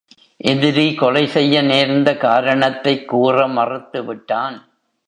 எதிரி கொலை செய்ய நேர்ந்த காரணத்தைக் கூற மறுத்துவிட்டான்.